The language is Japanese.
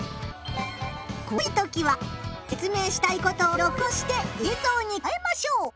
こういうときは説明したいことを録音して映像に加えましょう。